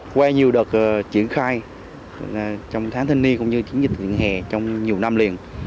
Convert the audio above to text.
qua nhiều đợt triển khai trong tháng thanh niên cũng như chiến dịch thiện hề trong nhiều năm liền